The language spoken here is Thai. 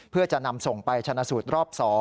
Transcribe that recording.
เพื่อจะนำส่งไปชนะสูตรรอบ๒